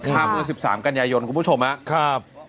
ข้าม๑๓กัญญาโยนคุณผู้ชมครับ